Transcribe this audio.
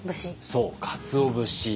そうかつお節。